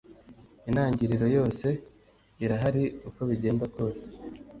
Intangiriro yose irahari uko bagenda kose